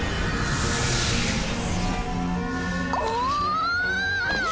お！